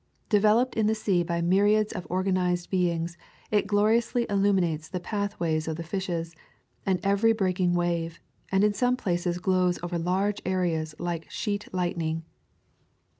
Developed in the sea by myriads of organized beings, it gloriously illuminates the pathways of the fishes, and every breaking wave, and in some places glows over large areas like sheet lightning.